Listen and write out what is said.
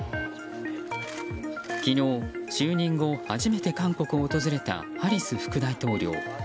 昨日、就任後初めて韓国を訪れたハリス副大統領。